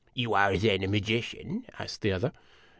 " You are then a magician ?" asked the other.